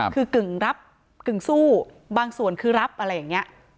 คือกึ่งรับกึ่งสู้บางส่วนคือรับอะไรอย่างนี้